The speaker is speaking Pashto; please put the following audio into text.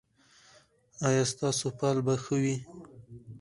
ایا ستاسو فال به ښه وي؟